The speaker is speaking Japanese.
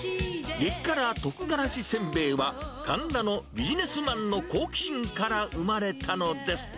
激辛特辛子せんべいは、神田のビジネスマンの好奇心から生まれたのです。